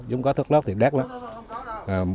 giống cá thất lót thì đẹp lắm